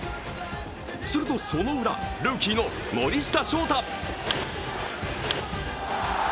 するとそのウラ、ルーキーの森下翔太。